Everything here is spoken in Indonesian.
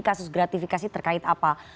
kasus gratifikasi terkait apa